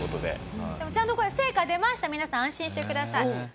でもちゃんとこれ成果出ました皆さん安心してください。